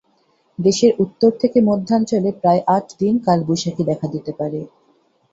দেশের উত্তর থেকে মধ্যাঞ্চলে প্রায় আট দিন কালবৈশাখী দেখা দিতে পারে।